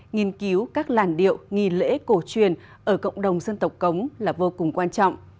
nghiên cứu các làn điệu nghi lễ cổ truyền ở cộng đồng dân tộc cống là vô cùng quan trọng